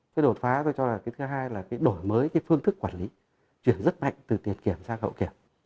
cái đột phá tôi cho là cái thứ hai là cái đổi mới cái phương thức quản lý chuyển rất mạnh từ tiền kiểm sang hậu kiểm